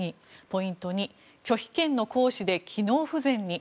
ポイント２、拒否権の行使で機能不全に。